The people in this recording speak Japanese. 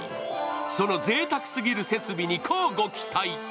そのぜいたくすぎる設備に乞うご期待。